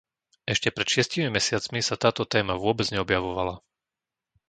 Ešte pred šiestimi mesiacmi sa táto téma vôbec neobjavovala.